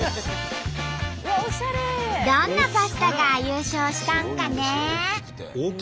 どんなパスタが優勝したんかね？